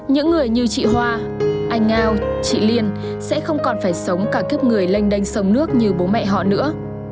những người như chị hoa anh ngao chị liên sẽ không còn phải sống cả kiếp người lanh đanh sống nước như bố mẹ họ nữa